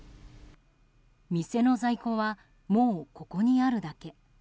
店の在庫はもうここにあるだけ。